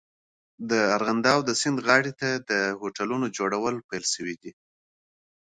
د ارغنداب سیند غاړې ته د هوټلونو جوړول پيل سوي دي.